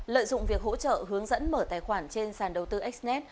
lợi dụng việc hỗ trợ hướng dẫn mở tài khoản trên sàn đầu tư xnet